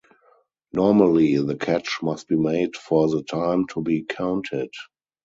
Normally, the catch must be made for the time to be counted.